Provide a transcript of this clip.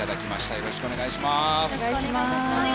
よろしくお願いします。